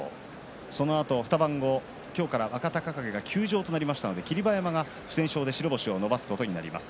そのあと２番も今日から若隆景が休場となりましたので霧馬山が不戦勝で白星を伸ばすことになります。